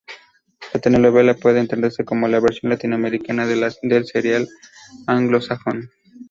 La telenovela puede entenderse como la versión latinoamericana del serial anglosajón.